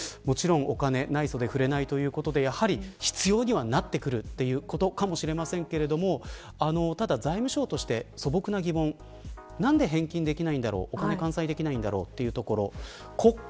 もちろんお金ない袖は振れないということでやはり必要にはなってくるということかもしれませんけれどもただ財務省として、素朴な疑問なんで返金できないんだろう。